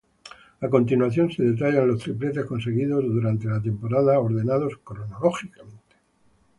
A continuación se detallan los tripletes conseguidos durante la temporada ordenados cronológicamente.